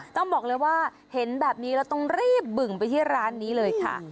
ต้องบอกเลยว่าเห็นแบบนี้แล้วต้องรีบบึ่งไปที่ร้านนี้เลยค่ะ